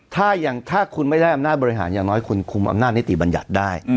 ถ้าคุณไม่ได้อำนาจบริหารอย่างน้อยคุณคุมอำนาจนิติบัญญัติได้